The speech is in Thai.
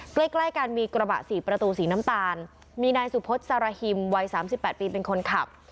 ใกล้ใกล้กันมีกระบะสี่ประตูสีน้ำตาลมีนายสุพศสารฮิมวัย๓๘ปีเป็นคนขับ